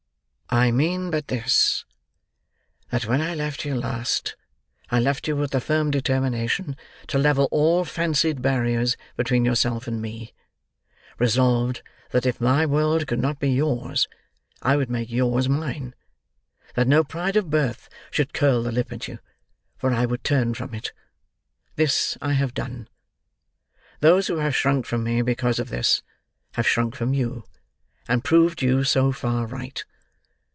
"I mean but this—that when I left you last, I left you with a firm determination to level all fancied barriers between yourself and me; resolved that if my world could not be yours, I would make yours mine; that no pride of birth should curl the lip at you, for I would turn from it. This I have done. Those who have shrunk from me because of this, have shrunk from you, and proved you so far right.